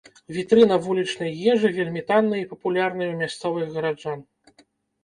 Вітрына вулічнай ежы, вельмі таннай і папулярнай у мясцовых гараджан.